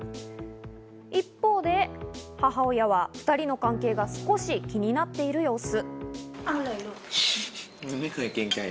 一方で母親は２人の関係が少し気になっている様子。